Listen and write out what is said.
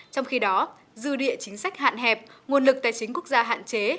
trong khi đó dư địa chính sách hạn hẹp nguồn lực tài chính quốc gia hạn chế